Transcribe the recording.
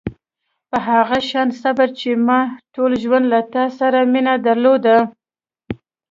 په هغه شان صبر چې ما ټول ژوند له تا سره مینه درلوده.